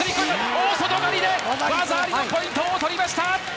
大外刈りで技ありのポイントを取りました！